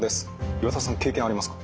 岩田さん経験ありますか？